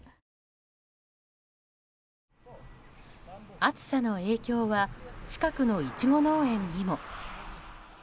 暑さの影響は近くのイチゴ農園にも。